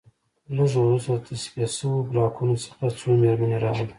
لږ وروسته د تصفیه شویو بلاکونو څخه څو مېرمنې راغلې